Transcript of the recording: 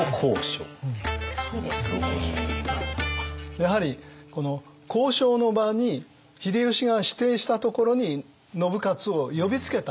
やはりこの交渉の場に秀吉が指定したところに信雄を呼びつけた。